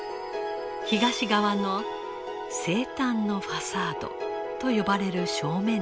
東側の生誕のファサードと呼ばれる正面です。